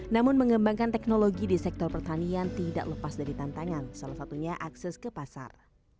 namun mengembangkan teknologi di sektor pertanian tidak lepas dari tantangan salah satunya akses ke pasar